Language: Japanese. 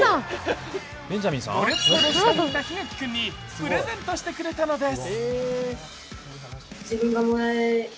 ５列ほど下にいた檜垣君にプレゼントしてくれたのです。